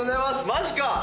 マジか！